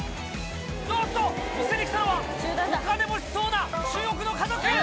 おっと、店に来たのは、お金持ちそうな中国の家族。